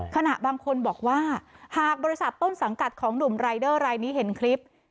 ขณะบางคนบอกว่าหากบริษัทต้นสังกัดของหนุ่มรายเดอร์รายนี้เห็นคลิป